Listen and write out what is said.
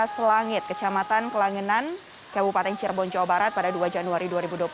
selangit kecamatan kelangenan kabupaten cirebon jawa barat pada dua januari dua ribu dua puluh tiga